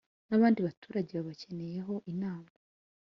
N’abandi baturage babakeneyeho inama